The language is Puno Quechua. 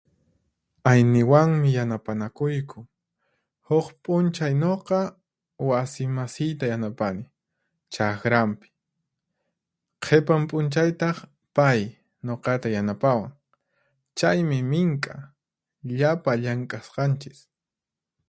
Ayniwanmi yanapanakuyku. Huq p'unchay nuqa wasimasiyta yanapani chaqranpi, qhipan p'unchaytaq pay nuqata yanapawan. Chaymi mink'a, llapa llank'asqanchis.